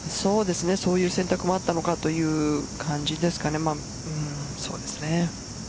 そういう選択もあったのかという感じですかね。